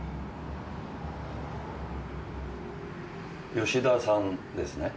吉田さんですね？